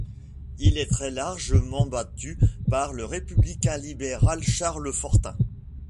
Il est très largement battu par le républicain libéral Charles Fortin.